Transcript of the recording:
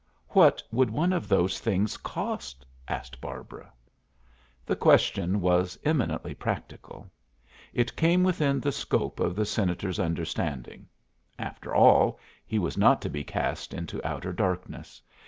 "What would one of those things cost?" asked Barbara. The question was eminently practical. It came within the scope of the senator's understanding. After all, he was not to be cast into outer darkness.